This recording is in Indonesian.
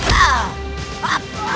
masih berani kau menentangku